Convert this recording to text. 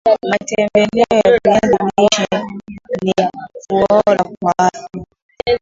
matembele ya viazi lishe ni boara kwa afya